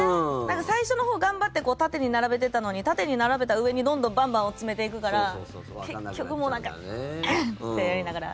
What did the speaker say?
最初のほう頑張って縦に並べてたのに縦に並べた上にどんどんバンバン詰めていくから結局もうなんかうん！ってやりながら。